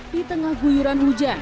di tengah guyuran hujan